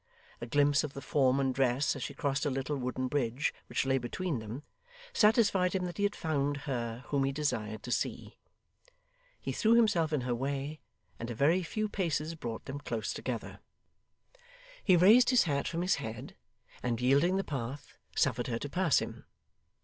A glimpse of the form and dress as she crossed a little wooden bridge which lay between them, satisfied him that he had found her whom he desired to see. He threw himself in her way, and a very few paces brought them close together. He raised his hat from his head, and yielding the path, suffered her to pass him.